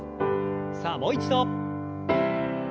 さあもう一度。